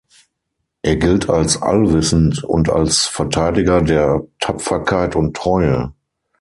Er gilt als allwissend und als Verteidiger der Tapferkeit und Treue.